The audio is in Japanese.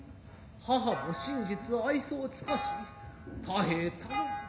母も真実愛想をつかし太兵衛頼む。